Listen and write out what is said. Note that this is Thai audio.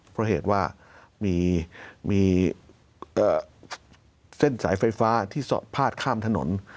เพราะเหตุว่ามีเส้นสายไฟฟ้าที่พาดข้ามถนน